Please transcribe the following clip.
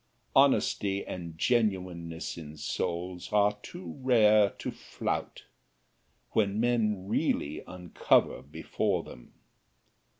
Honesty and genuineness in souls are too rare to flout when found men really uncover before them.